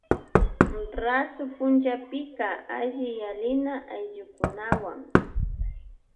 Rasu punllapika alliyalina ayllukunawan.